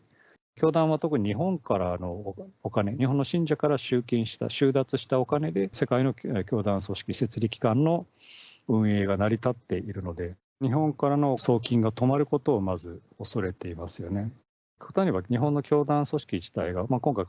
教団は特に日本からのお金、日本の信者から集金した、収奪したお金で、世界の教団組織、摂理機関の運営が成り立っているので、日本からの送金が止まることをまず恐れていますよね。